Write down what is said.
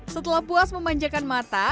setelah puas memanjakan mata